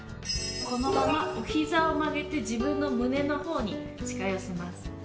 このままお膝を曲げて自分の胸の方に近寄せます。